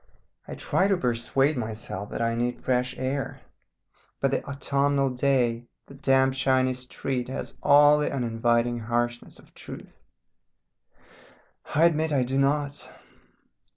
I try to persuade myself that I need fresh air, but the autumnal day, the damp shiny street, has all the uninviting harshness of truth I admit I do not.